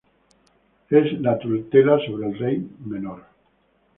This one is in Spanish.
Es la tutela sobre el Rey menor.